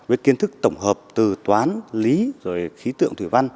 với kiến thức tổng hợp từ toán lý rồi khí tượng thủy văn